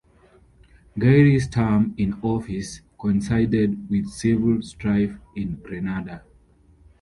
Gairy's term in office coincided with civil strife in Grenada.